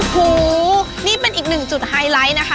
หูนี่เป็นอีกหนึ่งจุดไฮไลท์นะคะ